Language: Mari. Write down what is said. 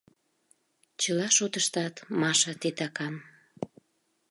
Чыла шотыштат Маша титакан.